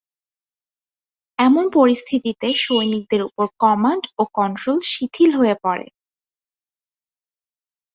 এমন পরিস্থিতিতে সৈনিকদের উপর কমান্ড ও কন্ট্রোল শিথিল হয়ে পড়ে।